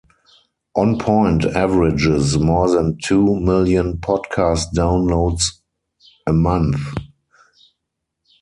"On Point" averages more than two million podcast downloads a month.